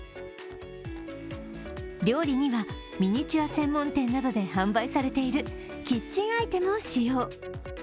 料理にはミニチュア専門店などで販売されているキッチンアイテムを使用。